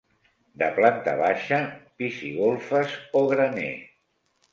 De planta baixa, pis i golfes o graner.